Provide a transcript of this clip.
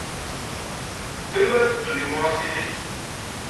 Melmi ara d-bdun yimuras-nnek?